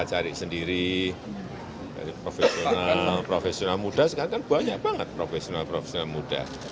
cari sendiri dari profesional profesional muda sekarang kan banyak banget profesional profesional muda